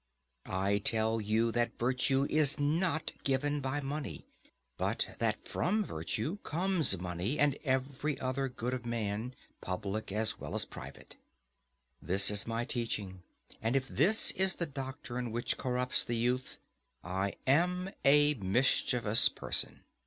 I tell you that virtue is not given by money, but that from virtue comes money and every other good of man, public as well as private. This is my teaching, and if this is the doctrine which corrupts the youth, I am a mischievous person.